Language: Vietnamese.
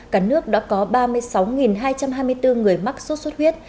cả nước đã có ba mươi sáu hai trăm hai mươi bốn người mắc sốt xuất huyết